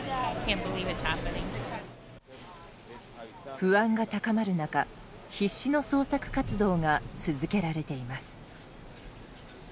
不安が高まる中必死の捜索活動が続けられています。